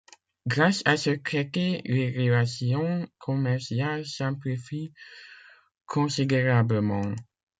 Grâce à ce traité les relations commerciales s'amplifient considérablement.